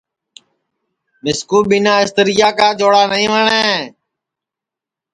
مِسکُو ٻنا اِستریا کا جوڑا نئی وٹؔے